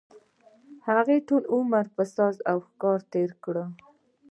هغه ټول عمر په ساز او ښکار تېر کړ.